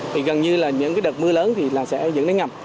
thì gần như là những đợt mưa lớn thì sẽ dẫn đến ngập